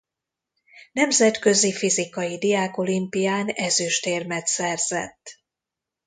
Nemzetközi Fizikai Diákolimpián ezüstérmet szerzett.